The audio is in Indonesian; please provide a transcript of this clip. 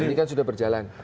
ini kan sudah berjalan